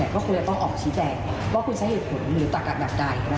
ก็คงจะต้องออกชี้แจงว่าคุณใช้เหตุผลหรือตักกับแบบใด